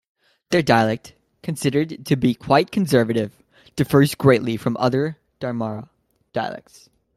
Their dialect, considered to be quite conservative, differs greatly from other Damara dialects.